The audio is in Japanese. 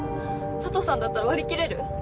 佐都さんだったら割り切れる？